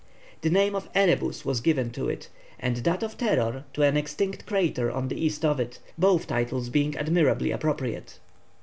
The name of Erebus was given to it, and that of Terror to an extinct crater on the east of it, both titles being admirably appropriate.